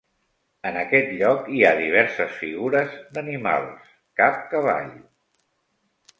En aquest lloc hi ha diverses figures d'animals, cap cavall.